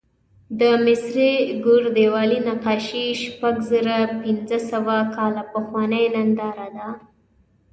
د مصري ګور دیوالي نقاشي شپږزرهپینځهسوه کاله پخوانۍ ننداره ده.